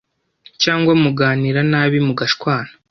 cyangwa muganira nabi mugashwana,